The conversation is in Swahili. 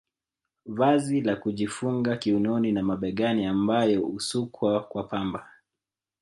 Vazi la kujifunga kiunoni na mabegani ambayo husukwa kwa pamba